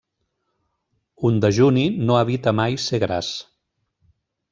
Un dejuni no evita mai ser gras.